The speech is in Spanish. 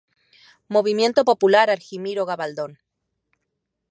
Movimiento Popular Argimiro Gabaldón